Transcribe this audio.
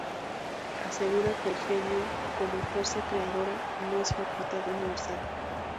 Asegura que el genio, como fuerza creadora, no es facultad universal.